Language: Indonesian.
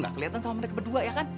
gak kelihatan sama mereka berdua ya kan